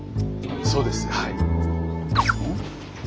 そうですはい。